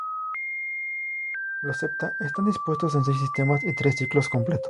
Los "septa" están dispuestos en seis sistemas y tres ciclos completos.